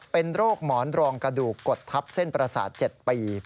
เป็นโรคหมอนรองกระดูกกดทับเส้นประสาท๗ปี